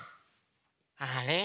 あれ？